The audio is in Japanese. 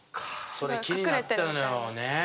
それ気になってたのよね！